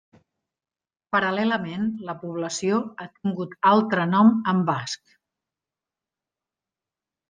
Paral·lelament la població ha tingut altre nom en basc.